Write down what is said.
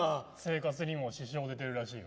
生活にも支障、出てるらしい。